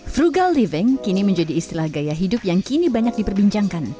frugal living kini menjadi istilah gaya hidup yang kini banyak diperbincangkan